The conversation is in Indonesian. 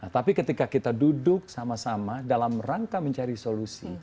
tapi ketika kita duduk sama sama dalam rangka mencari solusi